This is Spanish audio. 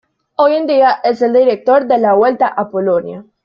Hoy en día es el director de la Vuelta a Polonia.